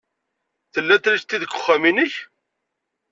Tella trisiti deg wexxam-nnek?